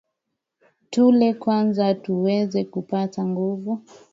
Tule kwanza tuweze kupata nguvu.